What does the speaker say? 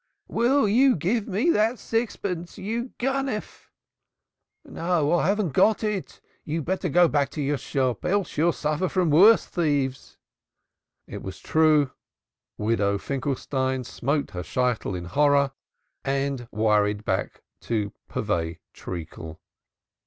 "Will you give me that sixpence, you Ganef!" "No, I haven't got it. You'd better go back to your shop, else you'll suffer from worse thieves." It was true. Widow Finkelstein smote her wig in horror and hurried back to purvey treacle.